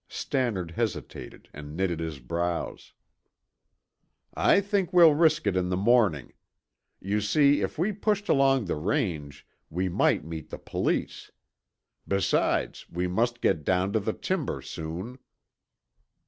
Stannard hesitated and knitted his brows. "I think we'll risk it in the morning. You see, if we pushed along the range, we might meet the police. Besides, we must get down to the timber soon."